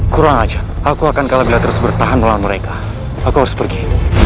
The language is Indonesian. kurang aja aku akan kalah bila terus bertahan melawan mereka aku harus pergi